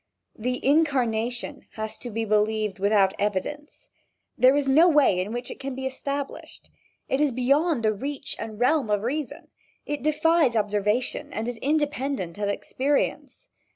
The "Incarnation" has to be believed without evidence. There is no way in which it can be established. It is beyond the reach and realm of reason. It defies observation and is independent of experience.